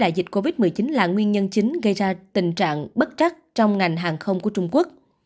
đại dịch covid một mươi chín là nguyên nhân chính gây ra tình trạng bất chắc trong ngành hàng không của trung quốc